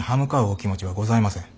お気持ちはございません。